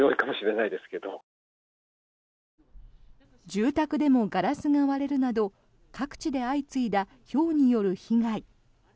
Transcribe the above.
住宅でもガラスが割れるなど各地で相次いだひょうによる被害。